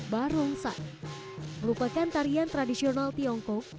barongsai merupakan tarian tradisional tiongkok